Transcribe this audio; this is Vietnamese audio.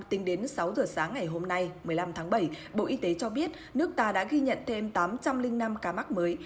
tính đến sáu giờ sáng ngày hôm nay một mươi năm tháng bảy bộ y tế cho biết nước ta đã ghi nhận thêm tám trăm linh năm ca mắc mới